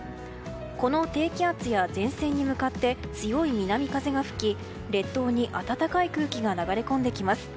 この低気圧や前線に向かって強い南風が吹き列島に暖かい空気が流れ込んできます。